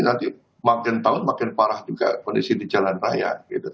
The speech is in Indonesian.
nanti makin tahun makin parah juga kondisi di jalan raya